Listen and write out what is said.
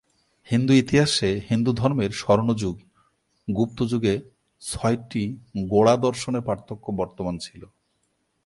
হিন্দু ইতিহাসে, হিন্দু ধর্মের "স্বর্ণযুগ" গুপ্ত যুগে ছয়টি গোঁড়া দর্শনের পার্থক্য বর্তমান ছিল।